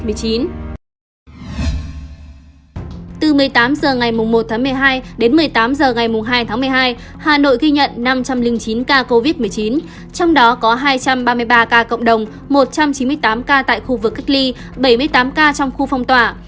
từ một mươi tám h ngày một tháng một mươi hai đến một mươi tám h ngày hai tháng một mươi hai hà nội ghi nhận năm trăm linh chín ca covid một mươi chín trong đó có hai trăm ba mươi ba ca cộng đồng một trăm chín mươi tám ca tại khu vực cách ly bảy mươi tám ca trong khu phong tỏa